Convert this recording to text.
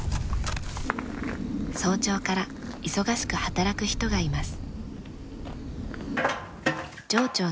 早朝から忙しく働く人がいます。